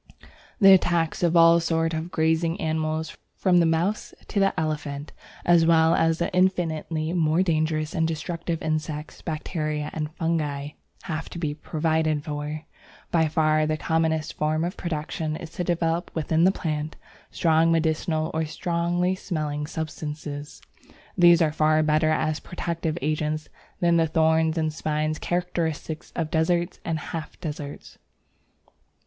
The attacks of all sorts of grazing animals, from the mouse to the elephant, as well as the infinitely more dangerous and destructive insects, bacteria, and fungi, have to be provided for. By far the commonest form of protection is to develop within the plant strong medicinal or strongly smelling substances. These are far better as protective agents than the thorns and spines characteristic of deserts and half deserts.